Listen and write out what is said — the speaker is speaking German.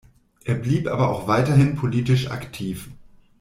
Er blieb aber auch weiterhin politisch aktiv.